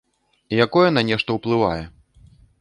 Якое на нешта ўплывае.